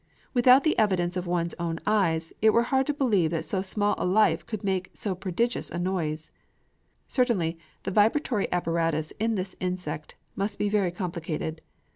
Without the evidence of one's own eyes, it were hard to believe that so small a life could make so prodigious a noise. Certainly the vibratory apparatus in this insect must be very complicated.